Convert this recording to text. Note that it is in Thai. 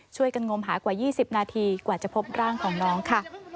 งมหากว่า๒๐นาทีกว่าจะพบร่างของน้องค่ะ